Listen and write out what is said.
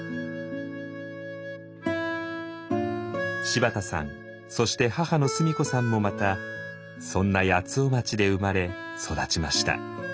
柴田さんそして母の須美子さんもまたそんな八尾町で生まれ育ちました。